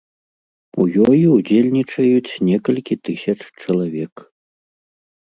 У ёй удзельнічаюць некалькі тысяч чалавек.